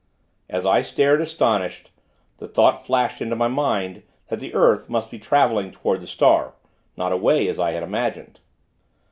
As I stared, astonished, the thought flashed into my mind; that the earth must be traveling toward the star; not away, as I had imagined.